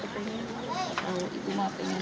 kalau ibu mau pengen